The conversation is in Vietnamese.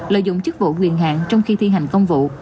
lợi dụng chức vụ quyền hạn trong khi thi hành công vụ